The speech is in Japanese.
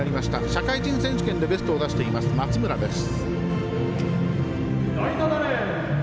社会人選手権でベストを出しています松村です。